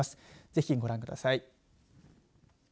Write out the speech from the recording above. ぜひ、ご覧ください。